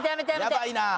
やばいな。